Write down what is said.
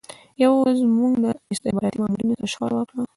یوه ورځ موږ له استخباراتي مامورینو سره شخړه وکړه